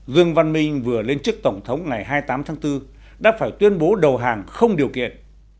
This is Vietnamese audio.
dương văn minh vừa lên chức tổng thống ngày hai mươi tám tháng bốn đã phải tuyên bố đầu hàng không điều kiện